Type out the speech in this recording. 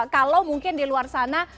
kalau mungkin di luar sana